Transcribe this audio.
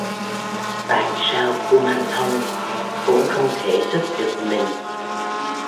Tại sao kumanthong cũng không thể giúp được mình